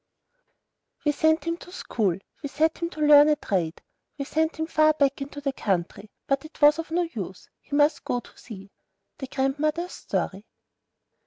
"We sent him to school, we set him to learn a trade, we sent him far back into the country; but it was of no use, he must go to sea." THE GRANDMOTHER'S STORY.